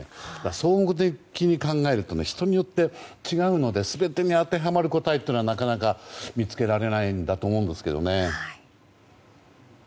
総合的に考えると人によって違うので全てに当てはまる答えはなかなか見つけられないんだと思うんですけどね。